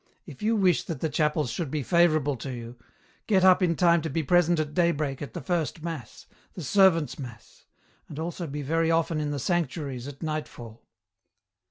If you wish that the chapels should be favourable to you, get up in time to be present at daybreak at the first mass, the servants' mass, and also be very often in the sanctuaries at nightfall."